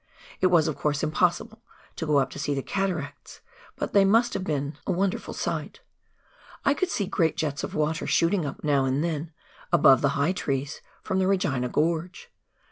It was, of course, impossible to go up to see the cataracts, but they must have been a wonder KAEANGARUA RIVER. 195 ful sight : I could see great jets of water shooting up, now and then, ahove the high trees, from the Regina Grorge.